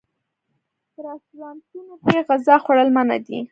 په رسټورانټونو کې غذا خوړل منع و.